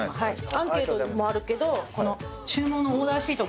アンケートもあるけど注文の。